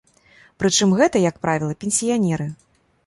Прычым гэта, як правіла, пенсіянеры.